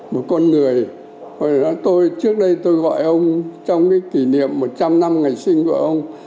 một con người trước đây tôi gọi ông trong kỷ niệm một trăm linh năm ngày sinh của ông